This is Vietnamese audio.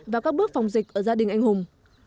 và các bước phòng dịch ở gia đình anh hùng